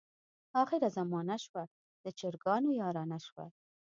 اخره زمانه شوه، د چرګانو یارانه شوه.